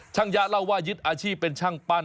ยะเล่าว่ายึดอาชีพเป็นช่างปั้น